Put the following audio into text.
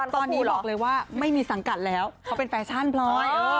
ตอนนี้บอกเลยว่าไม่มีสังกัดแล้วเขาเป็นแฟชั่นพลอย